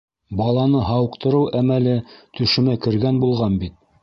Баланы һауыҡтырыу әмәле төшөмә кергән булған бит!